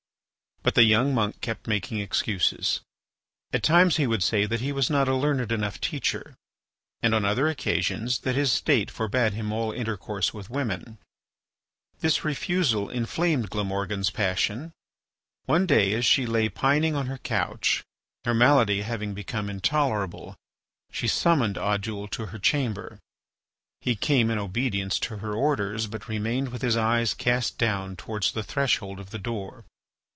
But the young monk kept making excuses. At times he would say that he was not a learned enough teacher, and on other occasions that his state forbade him all intercourse with women. This refusal inflamed Glamorgan's passion. One day as she lay pining upon her couch, her malady having become intolerable, she summoned Oddoul to her chamber. He came in obedience to her orders, but remained with his eyes cast down towards the threshold of the door.